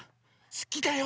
「すきだよ！」